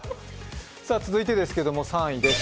続いてですけども３位です。